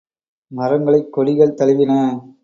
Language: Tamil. மரங்களைக் கொடிகள் தழுவின.